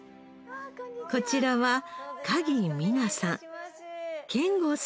こちらは鍵美奈さん賢吾さん